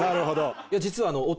実は。